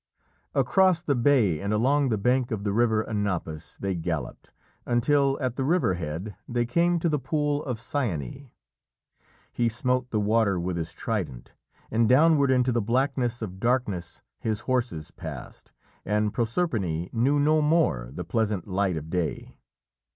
Across the bay and along the bank of the river Anapus they galloped, until, at the river head, they came to the pool of Cyane. He smote the water with his trident, and downward into the blackness of darkness his horses passed, and Proserpine knew no more the pleasant light of day.